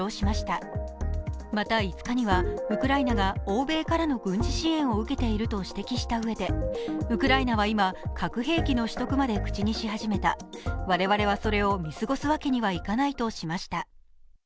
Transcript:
また５日にはウクライナが欧米からの軍事支援を受けていると指摘したうえでウクライナは今、核兵器の取得まで口にし始めた我々はそれを見過ごすわけにはいかないとしました。